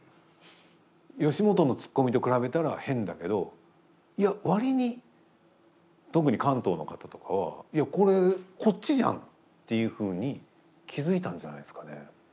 吉本のツッコミと比べたら変だけどいや割に特に関東の方とかはいやこれこっちじゃんっていうふうに気付いたんじゃないですかね。